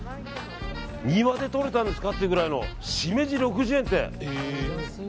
庭でとれたんですかってぐらいのシメジ６０円って。